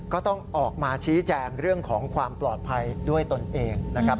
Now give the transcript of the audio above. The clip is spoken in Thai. ก็ต้องออกมาชี้แจงเรื่องของความปลอดภัยด้วยตนเองนะครับ